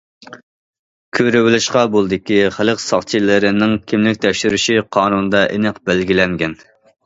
كۆرۈۋېلىشقا بولىدۇكى، خەلق ساقچىلىرىنىڭ كىملىك تەكشۈرۈشى قانۇندا ئېنىق بەلگىلەنگەن.